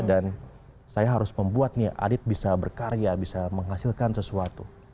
dan saya harus membuat adit bisa berkarya bisa menghasilkan sesuatu